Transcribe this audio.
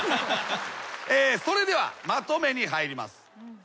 それではまとめに入ります。